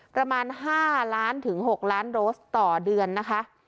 ประมาณ๕ล้านถึง๖ล้านโดสต่อเดือนนะคะ